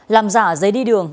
làm giả giấy đi đường